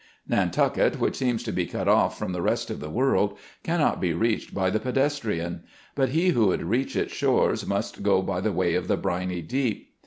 Nantucket, which seems to be cut off from the rest of the world, cannot be reached by the pedes trian ; but he who would reach its shores must go by the way of the briny deep.